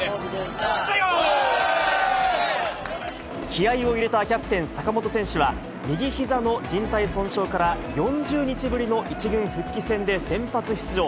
気合いを入れたキャプテン、坂本選手は、右ひざのじん帯損傷から４０日ぶりの１軍復帰戦で先発出場。